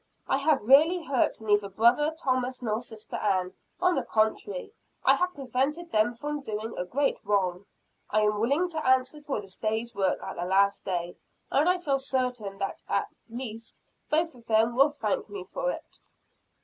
"I have really hurt neither brother Thomas nor Sister Ann; on the contrary, I have prevented them from doing a great wrong. I am willing to answer for this day's work at the Last Day and I feel certain that then at least, both of them will thank me for it."